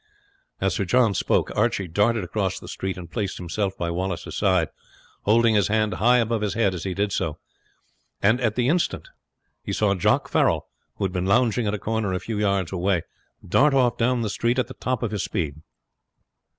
As Sir John spoke Archie darted across the street and placed himself by Wallace's side, holding his hand high above his head as he did so; and at the instant he saw Jock Farrell, who had been lounging at a corner a few yards away, dart off down the street at the top of his speed.